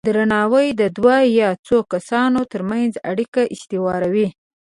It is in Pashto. درناوی د دوه یا څو کسانو ترمنځ اړیکې استواروي.